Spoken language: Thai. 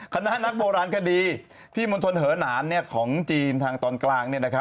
คณะนักโบราณคดีที่มณฑลเหอหนานของจีนทางตอนกลาง